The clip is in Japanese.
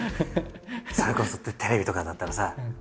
それこそテレビとかだったらさ